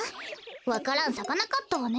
わか蘭さかなかったわね。